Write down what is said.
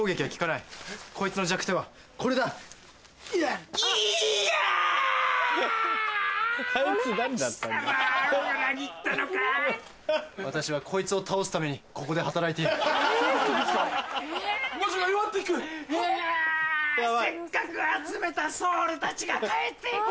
せっかく集めたソウルたちが帰って行く。